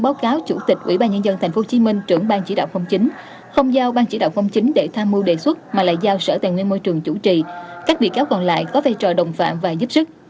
lại giao sở tài nguyên môi trường chủ trì các bị cáo còn lại có vai trò đồng phạm và giúp sức